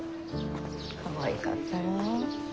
かわいかったわ。